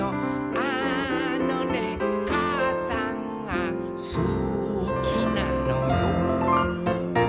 「あのねかあさんがすきなのよ」